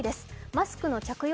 マスクの着用